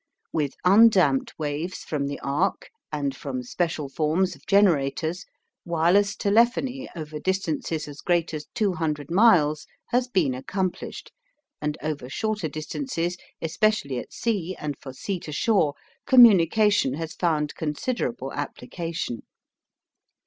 With undamped waves from the arc and from special forms of generators wireless telephony over distances as great as 200 miles has been accomplished and over shorter distances, especially at sea and for sea to shore, communication has found considerable application.